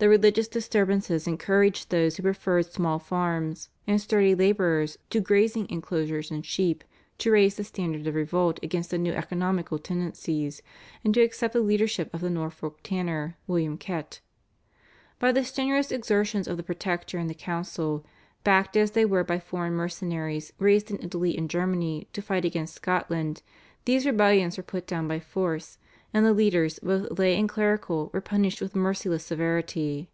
The religious disturbances encouraged those who preferred small farms and sturdy labourers to grazing inclosures and sheep to raise the standard of revolt against the new economical tendencies, and to accept the leadership of the Norfolk tanner, William Kett. By the strenuous exertions of the Protector and the council, backed as they were by foreign mercenaries raised in Italy and Germany to fight against Scotland, these rebellions were put down by force, and the leaders, both lay and clerical, were punished with merciless severity.